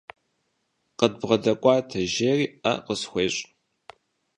КъыдбгъэдэкӀуатэ, – жери, Ӏэ къысхуещӀ.